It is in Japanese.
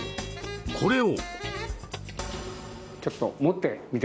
これを。